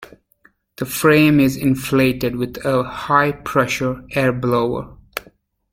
The frame is inflated with a high pressure air blower.